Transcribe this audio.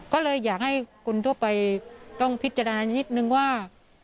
ก็เลยอยากให้คนทั่วไปต้องพิจารณานิดนึงว่า